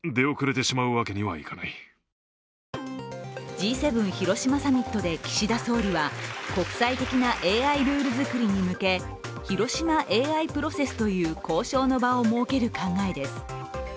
Ｇ７広島サミットで岸田総理は、国際的なＡＩルール作りに向け、広島ＡＩプロセスという交渉の場を設ける考えです。